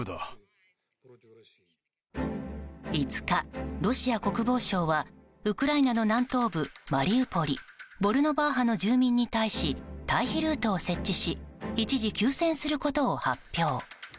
５日、ロシア国防相はウクライナの南東部マリウポリボルノバーハの住民に対し退避ルートを設置し一時休戦することを発表。